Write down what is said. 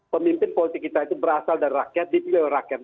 pemimpin politik kita itu berasal dari rakyat dipilih oleh rakyat